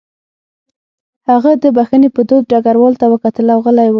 هغه د بښنې په دود ډګروال ته وکتل او غلی و